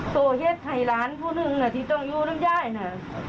ตัวเฮียดไทยร้านพวกนึงน่ะที่ต้องอยู่น้ำย่ายน่ะ